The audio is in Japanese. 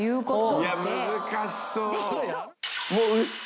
いや難しそう。